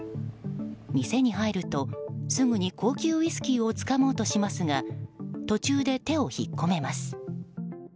店に入るとすぐに高級ウイスキーをつかもうとしますが途中で手を引っ込めます。